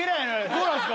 「どうなんですか？」